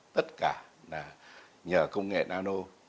tất cả là nhờ công nghệ nano